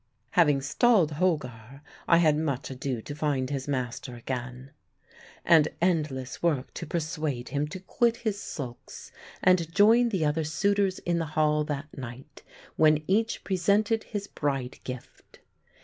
Having stalled Holgar I had much ado to find his master again, and endless work to persuade him to quit his sulks and join the other suitors in the hall that night, when each presented his bride gift.